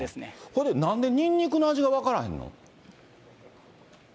ほれで、なんでニンニクの味が分からへんの？